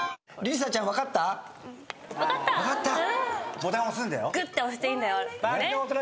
ボタン押すんだよ。